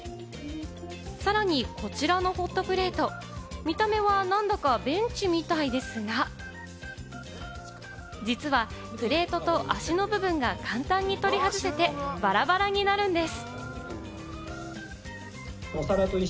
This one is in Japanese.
さらに、こちらのホットプレート、見た目はなんだかベンチみたいですが、実はプレートと足の部分が簡単に取り外せて、バラバラになるんです。